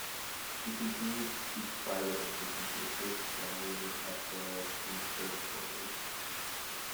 She continued to teach privately and to assist Dallier at the Conservatoire.